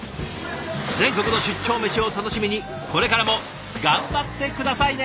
全国の出張メシを楽しみにこれからも頑張って下さいね。